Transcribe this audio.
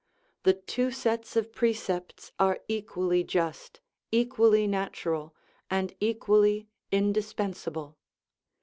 The two sets of precepts are equally just, equally natural, and equally indispensable.